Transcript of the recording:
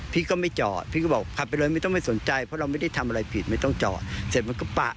พี่ก็ไม่จอดพี่ก็บอกขับไปเลยไม่ต้องไม่สนใจเพราะเราไม่ได้ทำอะไรผิดไม่ต้องจอดเสร็จมันก็ปะ